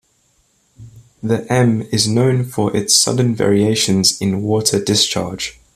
The Emme is known for its sudden variations in water discharge.